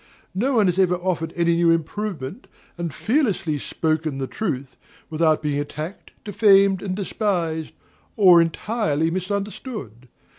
No one has ever offered any new improvement, and fearlessly spoken the truth, without being attacked, defamed, and despised, or entirely misunderstood.